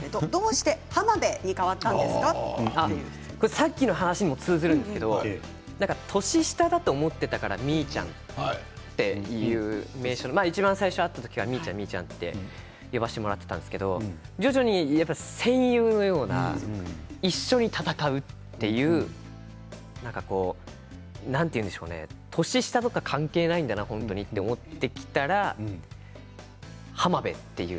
さっきの話につながるんですけど年下だと思っていたからみーちゃんって最初に会った時は、みーちゃんみーちゃんと呼ばせてもらっていたんですけど徐々に戦友のような、一緒に戦うという何て言うんでしょうね年下とか関係ないんだな本当にと思ってきたら浜辺、という。